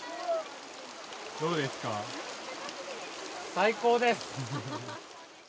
最高です。